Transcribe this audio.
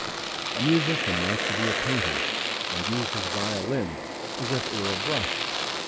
A musician wants to be a painter and use his violin as if it were a brush.